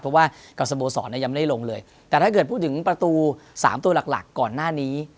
เพราะว่ากับสโมสรยังไม่ได้ลงเลยแต่ถ้าเกิดพูดถึงประตู๓ตัวหลักหลักก่อนหน้านี้